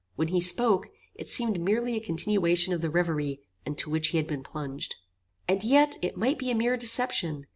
When he spoke, it seemed merely a continuation of the reverie into which he had been plunged. "And yet it might be a mere deception.